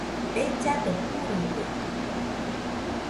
Bellado kurude